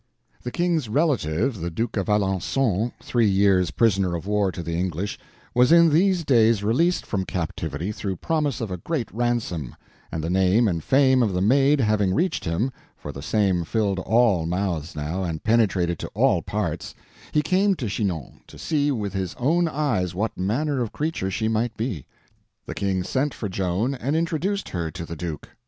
The King's relative, the Duke of Alencon, three years prisoner of war to the English, was in these days released from captivity through promise of a great ransom; and the name and fame of the Maid having reached him—for the same filled all mouths now, and penetrated to all parts—he came to Chinon to see with his own eyes what manner of creature she might be. The King sent for Joan and introduced her to the Duke.